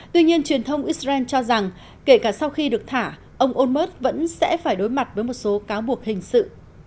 tuy nhiên truyền thông israel cho rằng kể cả sau khi được thả ông onmert vẫn sẽ phải đối mặt với một số cáo buộc hình sự